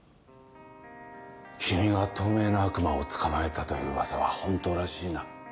君が透明な悪魔を捕まえたという噂は本当らしいな。